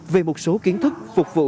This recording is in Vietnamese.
về một số kiến thức phục vụ